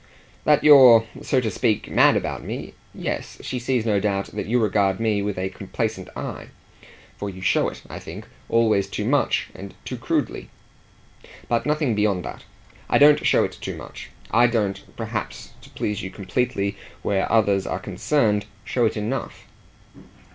"That you're, so to speak, mad about me. Yes, she sees, no doubt, that you regard me with a complacent eye for you show it, I think, always too much and too crudely. But nothing beyond that. I don't show it too much; I don't perhaps to please you completely where others are concerned show it enough."